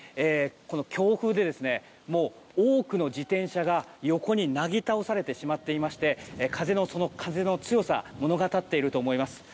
強風で多くの自転車が横になぎ倒されてしまっていまして風の強さを物語っていると思います。